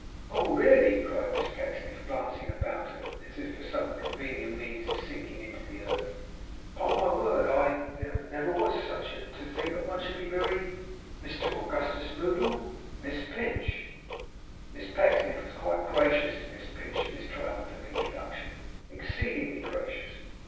'Oh, really!' cried Miss Pecksniff, glancing about her, as if for some convenient means of sinking into the earth. 'Upon my word, I there never was such a to think that one should be so very Mr Augustus Moddle, Miss Pinch!' Miss Pecksniff was quite gracious to Miss Pinch in this triumphant introduction; exceedingly gracious.